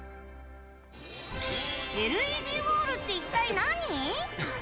ＬＥＤウォールって一体何？